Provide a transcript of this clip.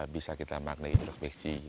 bisa kita maknai introspeksi